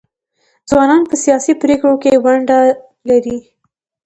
ځوانان په سیاسي پریکړو کې ونډه لري.